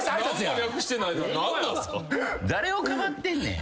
誰をかばってんねん。